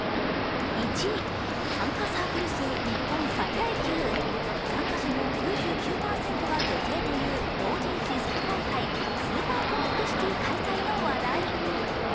参加サークル数、日本最大級、参加者の９９％が女性という同人誌即売会、ＳＵＰＥＲＣＯＭＩＣＣＩＴＹ開催の話題。